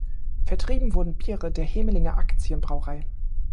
Vertrieben wurden Biere der Hemelinger Actien Brauerei.